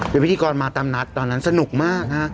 เป็นพิธีกรมาตามนัดตอนนั้นสนุกมากฮะ